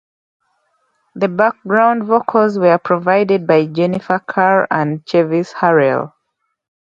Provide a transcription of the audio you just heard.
The background vocals were provided by Jennifer Karr and Chevis Harrell.